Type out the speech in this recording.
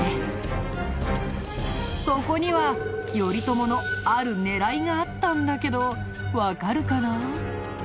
そこには頼朝のある狙いがあったんだけどわかるかな？